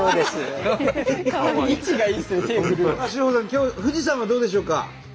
今日富士山はどうでしょうか？